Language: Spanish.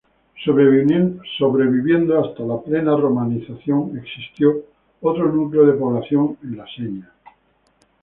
Sobreviviendo hasta la plena romanización existió otro núcleo de población en la Seña.